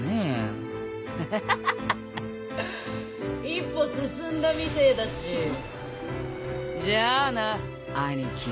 一歩進んだみてえだしじゃあな兄貴。